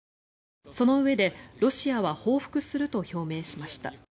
そのうえでロシアは報復すると表明しました。